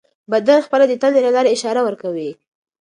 بدن خپله د تندې له لارې اشاره ورکوي.